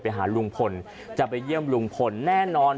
ไปหาลุงพลจะไปเยี่ยมลุงพลแน่นอน